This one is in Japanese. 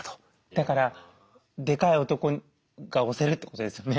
だからデカイ男が推せるってことですよね。